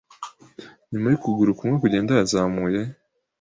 Nyuma yukuguru kumwe kugenda yazamuye